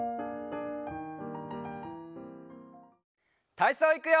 たいそういくよ！